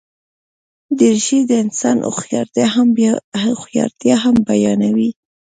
دریشي د انسان هوښیارتیا هم بیانوي.